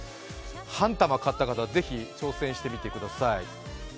半玉買った方はぜひ挑戦してみてください。